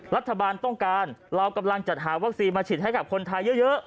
รัฐบาลต้องการเรากำลังจัดหาวัคซีนมาฉีดให้กับคนไทยเยอะ